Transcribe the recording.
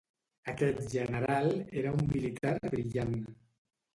Aquest general era un militar brillant.